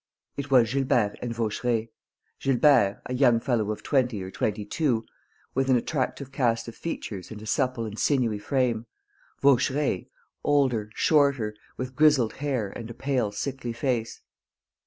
It was Gilbert and Vaucheray: Gilbert, a young fellow of twenty or twenty two, with an attractive cast of features and a supple and sinewy frame; Vaucheray, older, shorter, with grizzled hair and a pale, sickly face.